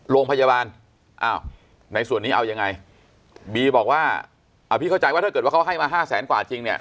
โรงพยาบาลอ้าวในส่วนนี้เอายังไงบีบอกว่าอ่าพี่เข้าใจว่าถ้าเกิดว่าเขาให้มาห้าแสนกว่าจริงเนี่ย